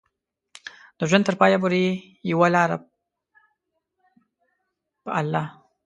د ژوند تر پايه پورې يې يوه لاره پالله.